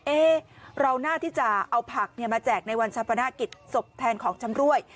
เอ๊ะเราน่าวที่จะเอาผักเนี่ยมาแจกในวันฉันประนาคตสมแทนของชำรวย